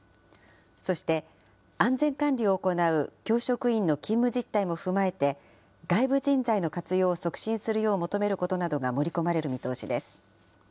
そして安全管理を行う教職員の勤務実態も踏まえて、外部人材の活用を促進するよう求めることなどが盛り込まれる見通しです。